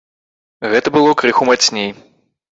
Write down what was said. Гэта было крыху мацней.